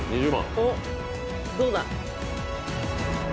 おっどうだ？